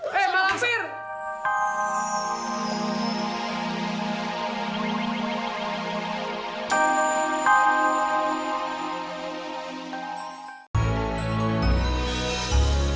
masak masak boket